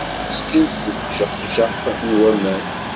Teɣli meskint deg ujeqjaq n waman.